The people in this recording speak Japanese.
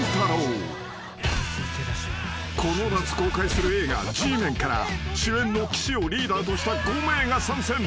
［この夏公開する映画『Ｇメン』から主演の岸をリーダーとした５名が参戦］